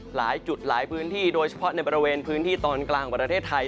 หลายจุดหลายพื้นที่โดยเฉพาะในบริเวณพื้นที่ตอนกลางของประเทศไทย